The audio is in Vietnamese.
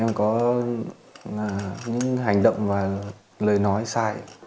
em có những hành động và lời nói sai